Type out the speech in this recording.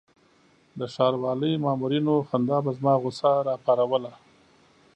د ښاروالۍ مامورینو خندا به زما غوسه راپاروله.